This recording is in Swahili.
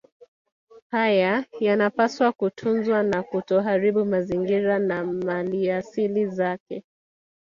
Haya yanapaswa kutunzwa na kutoharibu mazingira na maliasili zake